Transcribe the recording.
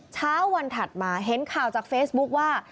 เช้าวันถัดมาเห็นข่าวจากเฟซบุ๊คว่า